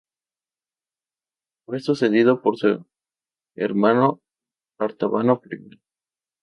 Fue sucedido por su hermano Artabano I